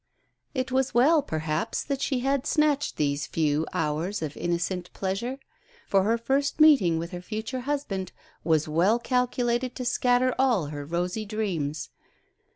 It was well, perhaps, that she had snatched these few hours of innocent pleasure: for her first meeting with her future husband was well calculated to scatter all her rosy dreams.